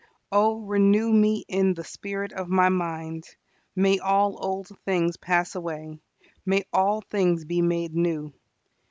Oh renew me in the spirit of my mind. May all old things pass away; may all things be made new.